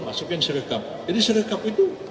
masukkan sirikap jadi sirikap itu